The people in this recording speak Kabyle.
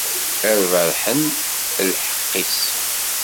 Ad berrḥen lḥeqq-is.